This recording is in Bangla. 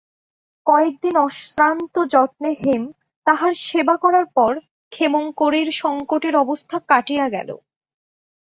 কয়েক দিন অশ্রান্তযত্নে হেম তাঁহার সেবা করার পর ক্ষেমংকরীর সংকটের অবস্থা কাটিয়া গেল।